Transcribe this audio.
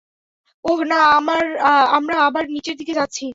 ওহ, না, আমরা আবার নিচের দিকে যাচ্ছি!